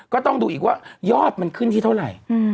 ก็ต้องดูอีกว่ายอดมันขึ้นที่เท่าไหร่